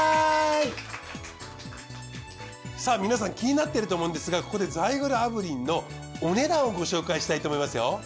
さぁ皆さん気になっていると思うんですがここでザイグル炙輪のお値段をご紹介したいと思いますよ。